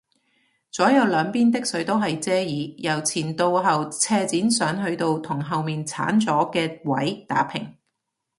左右兩邊的水都係遮耳，由前到後斜剪上去到同後面剷咗嘅位打平